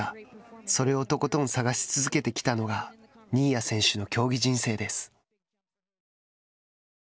それをとことん探し続けてきたのが、新谷選手の競技人生です。